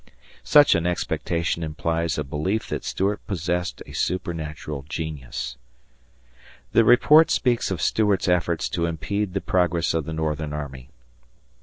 Such an expectation implies a belief that Stuart possessed a supernatural genius. The report speaks of Stuart's efforts to impede the progress of the Northern army.